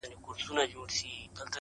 ما څوځلي د لاس په زور کي يار مات کړی دی,